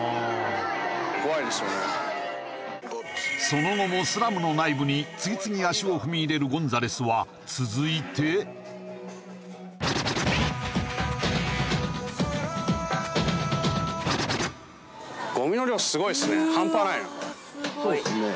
その後もスラムの内部に次々足を踏み入れるゴンザレスは続いてそうですね